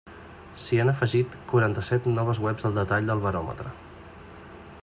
S'hi han afegit quaranta-set noves webs al detall del baròmetre.